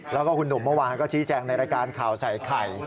แล้วก็คุณหนุ่มเมื่อวานก็ชี้แจงในรายการข่าวใส่ไข่